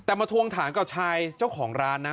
แต่มาทวงถามกับชายเจ้าของร้านนะ